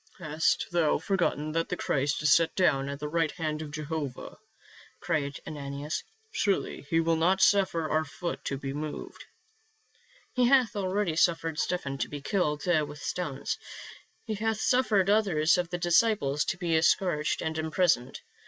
" Hast thou forgotten that the Christ is set down at the right hand of Jehovah?" cried Ananias. "Surely he will not suffer our foot to be moved." " He hath already suffered Stephen to be killed with stones. He hath suffered others of the disciples to be scourged and imprisoned.